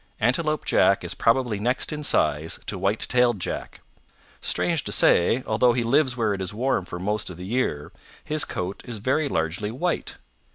Antelope Jack is probably next in size to White tailed Jack. Strange to say, although he lives where it is warm for most of the year, his coat is very largely white.